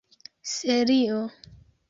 serio